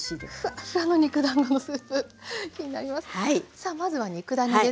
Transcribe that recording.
さあまずは肉ダネですね。